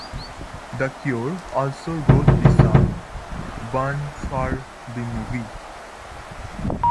The Cure also wrote the song "Burn" for the movie.